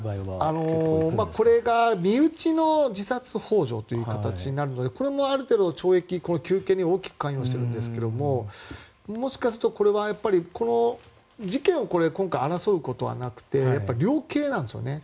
いや、これが身内の自殺ほう助という形になるのでこれもある程度、懲役、求刑に大きく関与しているんですがもしかすると、これは事件を今回争うことはなくて量刑なんですよね。